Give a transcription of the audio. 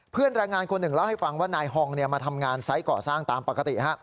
แรงงานคนหนึ่งเล่าให้ฟังว่านายฮองมาทำงานไซส์ก่อสร้างตามปกติ